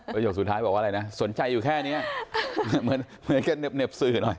ประโยชน์สุดท้ายบอกว่าอะไรนะสนใจอยู่แค่เนี้ยเหมือนเหมือนแค่เน็บเนบสื่อหน่อย